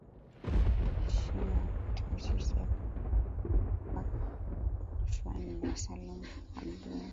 Kamishna wa Taasisi ya Kuzuia na Kupambana na Rushwa ni Salum Hamduni